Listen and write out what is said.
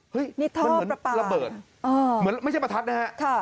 เห้ยมันเหมือนระเบิดไม่ใช่ประทัดนะครับ